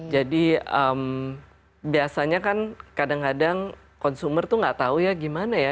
jadi biasanya kan kadang kadang konsumer tuh nggak tahu ya gimana ya